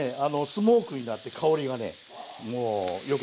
スモークになって香りがねもうよくなる。